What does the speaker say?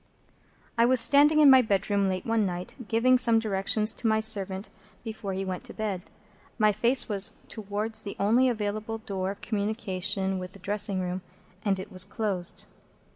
I was standing in my bedroom late one night, giving some directions to my servant before he went to bed. My face was towards the only available door of communication with the dressing room, and it was closed.